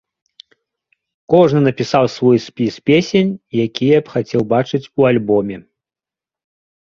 Кожны напісаў свой спіс песень, якія б хацеў бачыць у альбоме.